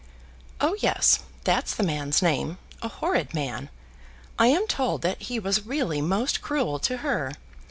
"Oh yes; that's the man's name; a horrid man. I am told that he was really most cruel to her.